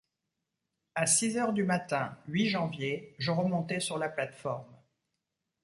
À six heures du matin, — huit janvier, — je remontai sur la plate-forme.